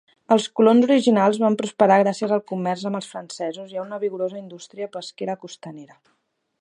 Els colons originals van prosperar gràcies al comerç amb els francesos i a una vigorosa indústria pesquera costanera.